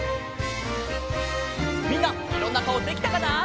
みんないろんなかおできたかな？